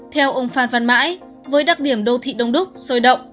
theo ông phan văn mãi với đặc điểm đô thị đông đúc sôi động